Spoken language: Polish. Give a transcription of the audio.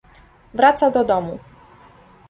"Wraca do domu."